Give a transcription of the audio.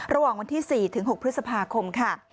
ระหว่างวันที่๔๖พฤษภาคมค่ะ